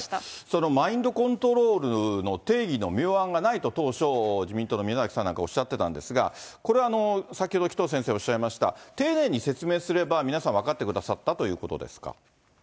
そのマインドコントロールの定義の妙案がないと当初、自民党の宮崎さんなんかはおっしゃってたんですが、これ、先ほど紀藤先生おっしゃいました、丁寧に説明すれば、皆さん分かってくださったということですか。